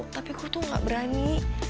tapi aku tuh gak berani